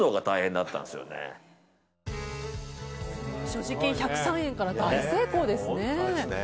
所持金１０３円から大成功ですね。